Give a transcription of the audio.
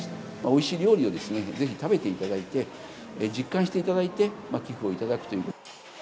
おいしい料理をですね、ぜひ食べていただいて、実感していただいて、寄付を頂くという。